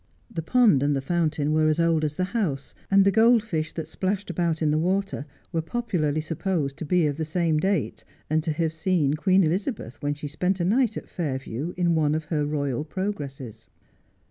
The pond and the fountain were 12 Just as I Am. as old as the house, and the gold fish that splashed about in the water were popularly supposed to be of the same date, and *o have seen Queen Elizabeth, when she spent a night at Fairview. in one of her royal progresses.